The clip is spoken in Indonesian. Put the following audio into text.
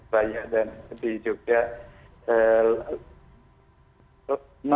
bayi dan di jogja